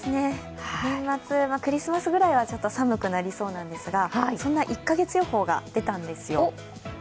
年末、クリスマスくらいは寒くなりそうなんですが１カ月予報が出たんですよ。